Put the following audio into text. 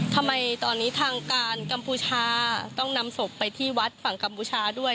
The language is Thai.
ทำไมตอนนี้ทางการกัมพูชาต้องนำศพไปที่วัดฝั่งกัมพูชาด้วย